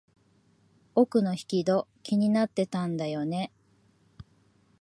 奥の引き戸、気になってたんだよね。